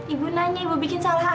ibu nanya ibu bikin salah apa